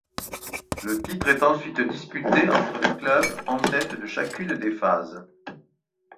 Le titre est ensuite disputé entre les clubs en tête de chacune des phases.